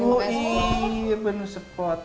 oh iya bener sepot